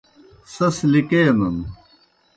سیْس لِکینَن۔